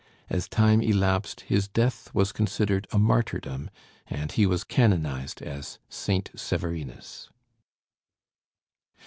As time elapsed, his death was considered a martyrdom, and he was canonized as St. Severinus.